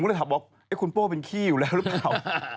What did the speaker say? ก็เลยถามว่าคุณโป้เป็นขี้อยู่แล้วหรือเปล่า